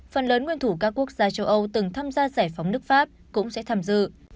phần lớn nguyên thủ các quốc gia châu âu từng tham gia giải phóng nước pháp cũng sẽ tham dự